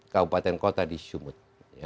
kabupaten kota di sumut